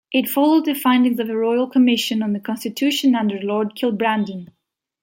It followed the findings of a Royal Commission on the Constitution under Lord Kilbrandon.